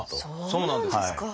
そうなんですか！